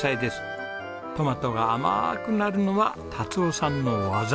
トマトが甘くなるのは達雄さんの技。